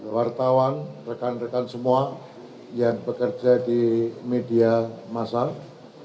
wartawan rekan rekan semua yang bekerja di media masak